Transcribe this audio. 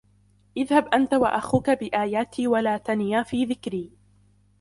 اذْهَبْ أَنْتَ وَأَخُوكَ بِآيَاتِي وَلَا تَنِيَا فِي ذِكْرِي